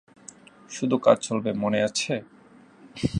শুধু কাজ চলবে, মনে আছে?